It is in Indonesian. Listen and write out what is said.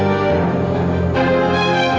ndra kamu udah nangis